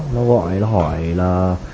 nó gọi nó hỏi là